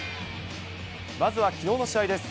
まずはきのうの試合です。